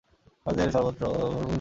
ইতোমধ্যে ভারতের সর্বত্র পরিভ্রমণ করিলাম।